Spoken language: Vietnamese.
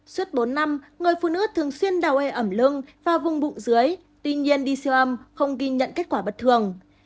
suốt bốn năm người phụ nữ thường xuyên đào ê ẩm lưng và vùng bụng dưới tuy nhiên đi siêu âm không ghi nhận kết quả bất thường